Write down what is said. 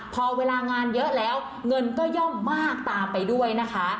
พอเวลางานเยอะแล้วเงินก็ย่อมมากตามไปด้วยนะคะ